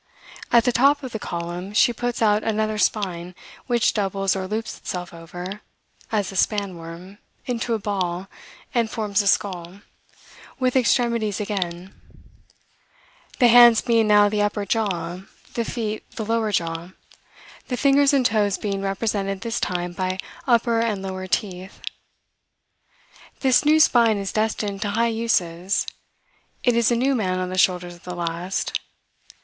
At the top of the column, she puts out another spine, which doubles or loops itself over, as a span worm, into a ball, and forms the skull, with extremities again; the hands being now the upper jaw, the feet the lower jaw, the fingers and toes being represented this time by upper and lower teeth. This new spine is destined to high uses. It is a new man on the shoulders of the last.